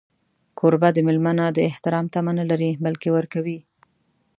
کوربه د مېلمه نه د احترام تمه نه لري، بلکې ورکوي.